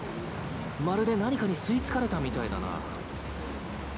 まるで何かに吸い付かれたみたいだな。